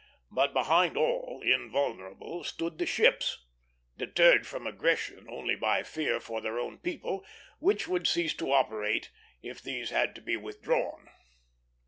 But behind all, invulnerable, stood the ships, deterred from aggression only by fear for their own people, which would cease to operate if these had to be withdrawn.